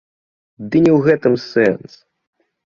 Ды не ў гэтым сэнс!